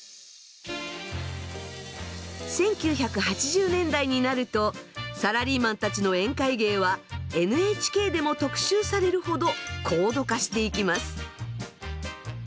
１９８０年代になるとサラリーマンたちの宴会芸はＮＨＫでも特集されるほど高度化していきます。